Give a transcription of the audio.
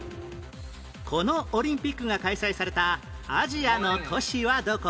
このオリンピックが開催されたアジアの都市はどこ？